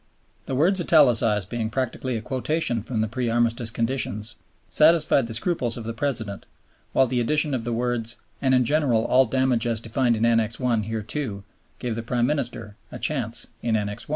" The words italicized being practically a quotation from the pre Armistice conditions, satisfied the scruples of the President, while the addition of the words "and in general all damage as defined in Annex I. hereto" gave the Prime Minister a chance in Annex I.